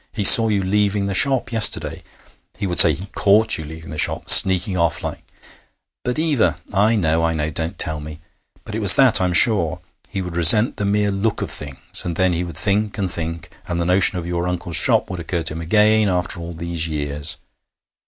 He saw you leaving the shop yesterday. He would say he caught you leaving the shop sneaking off like ' 'But, Eva ' 'I know I know! Don't tell me! But it was that, I am sure. He would resent the mere look of things, and then he would think and think, and the notion of your uncle's shop would occur to him again, after all these years.